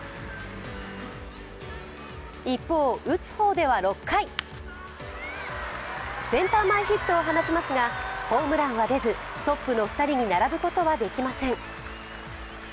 一方、打つ方では６回、センター前ヒットを放ちますがホームランは出ずトップの２人に並ぶことはできません。